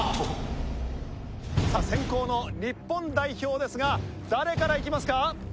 さあ先攻の日本代表ですが誰からいきますか？